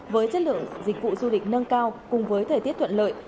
với chất lượng dịch vụ du lịch nâng cao cùng với thời tiết thuận lợi